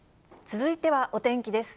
続いてはお天気です。